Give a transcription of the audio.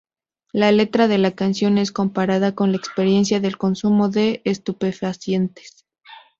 La letra de la canción es comparada con la experiencia del consumo de estupefacientes.